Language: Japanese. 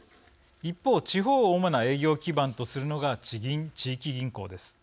一方地方を主な営業基盤とするのが地銀地域銀行です。